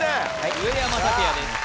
上山拓也です・